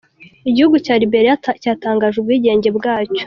Igihugu cya Liberia cyatangaje ubwigenge bwacyo.